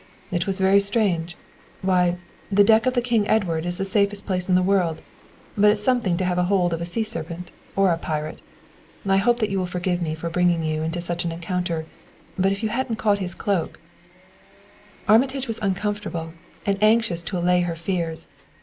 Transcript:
"It was very strange. Why, the deck of the King Edward is the safest place in the world; but it's something to have had hold of a sea serpent, or a pirate! I hope you will forgive me for bringing you into such an encounter; but if you hadn't caught his cloak " Armitage was uncomfortable, and anxious to allay her fears.